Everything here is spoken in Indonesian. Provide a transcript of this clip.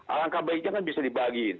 alangkah baiknya kan bisa dibagi